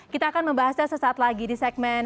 kita akan membahasnya sesaat lagi di segmen